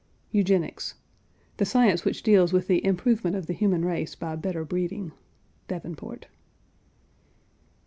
EUGENICS. The science which deals with the improvement of the human race by better breeding. (Davenport.)